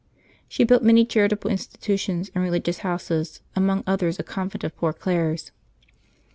She built many charitable institutions and religious houses, among others a convent of Poor Clares.